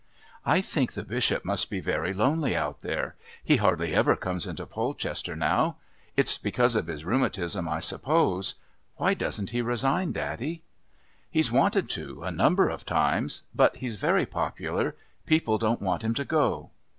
"I think the Bishop must be very lonely out there. He hardly ever comes into Polchester now. It's because of his rheumatism, I suppose. Why doesn't he resign, daddy?" "He's wanted to, a number of times. But he's very popular. People don't want him to go."